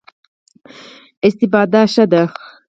استفاده ښه ده.